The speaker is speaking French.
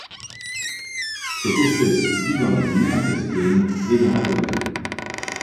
Cette espèce vit dans la mer Caspienne et dans la Volga.